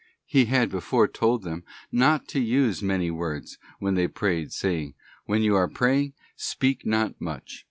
He had. before told them not to use many words when they prayed, saying, 'When you are praying, speak not much...